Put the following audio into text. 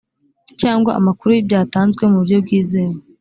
cyangwa amakuru byatanzwe mu buryo bwizewe